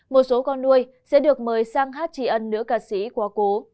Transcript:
một số con nuôi sẽ được mời sang hát tri ân nữ ca sĩ quá cố